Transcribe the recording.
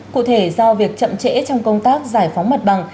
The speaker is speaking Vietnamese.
cụ thể do việc chậm trễ trong công tác giải phóng mặt bằng